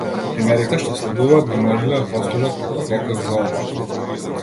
Примерите што следуваат би можеле да послужат како доказ за ова.